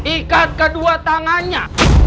ikat kedua tangannya